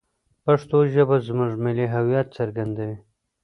پښتو ژبه زموږ ملي هویت څرګندوي.